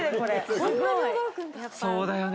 そうだよね